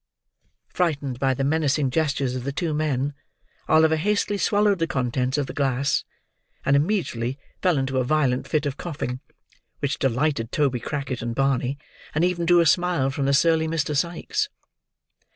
Frightened by the menacing gestures of the two men, Oliver hastily swallowed the contents of the glass, and immediately fell into a violent fit of coughing: which delighted Toby Crackit and Barney, and even drew a smile from the surly Mr. Sikes.